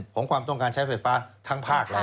ความต้องการใช้ไฟฟ้าทั้งภาคเลย